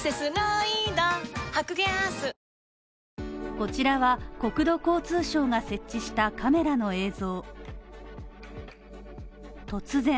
こちらは、国土交通省が設置したカメラの映像。